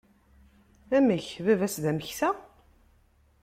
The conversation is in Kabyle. Amek baba-s d ameksa?